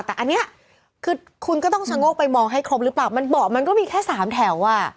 แต่อันนี้คือคุณก็ต้องชะโงกไปมองให้ครบหรือเปล่ามันเบาะมันก็มีแค่สามแถวอ่ะ